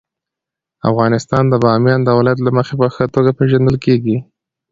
افغانستان د بامیان د ولایت له مخې په ښه توګه پېژندل کېږي.